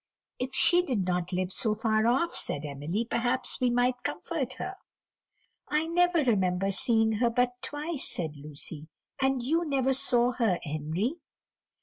"If she did not live so far off," said Emily, "perhaps we might comfort her." "I never remember seeing her but twice," said Lucy, "and you never saw her, Henry."